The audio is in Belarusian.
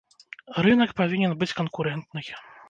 Рынак павінен быць канкурэнтнай.